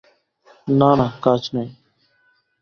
না না, কাজ নাই।